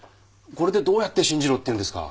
これでどうやって信じろって言うんですか？